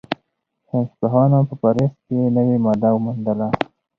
ساینسپوهانو په پاریس کې نوې ماده وموندله.